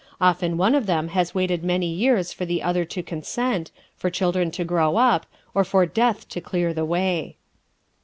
Often one of them has waited many years for the other to consent, for children to grow up, or for Death to clear the way.